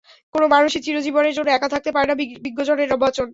কোনো মানুষই চির জীবনের জন্য একা থাকতে পারে না, বিজ্ঞজনের বচন।